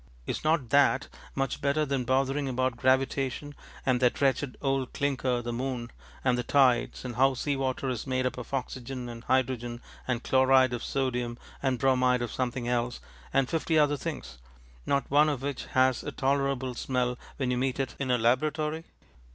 Is not that much better than bothering about gravitation and that wretched old clinker the moon, and the tides, and how sea water is made up of oxygen and hydrogen and chloride of sodium and bromide of something else, and fifty other things, not one of which has a tolerable smell when you meet it in a laboratory?